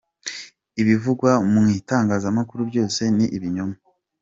Ibivugwa mu itangazamakuru byose ni ibinyoma.”